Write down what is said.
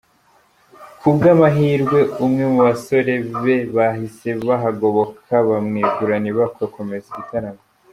Kubwa amahirwe umwe mu basore be bahise bahagoboka bamwegurana ibakwe akomeza igitaramo .